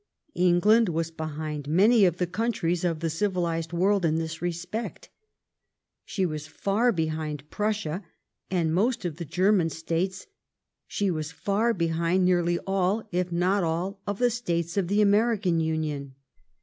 England was behind many of the countries of the civilized world in this respect. She was far behind Prussia and most of the German States, she was far behind nearly all, if not all, of the States of the American Union.